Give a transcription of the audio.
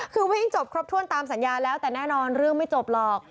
คือวิ่งจบครบถ้วนตามสัญญาแล้วแต่แน่นอนเรื่องไม่จบหรอก